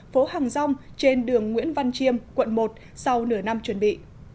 phố hàng rong trên đường nguyễn văn chiêm quận một sau nửa năm chuẩn bị